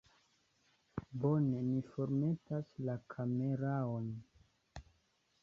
Bone, mi formetas la kameraon